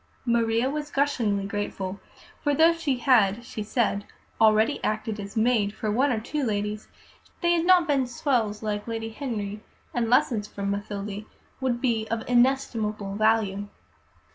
Maria was gushingly grateful, for though she had (she said) already acted as maid to one or two ladies, they had not been "swells" like Lady Henry, and lessons from Mathilde would be of inestimable value.